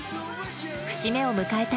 節目を迎えた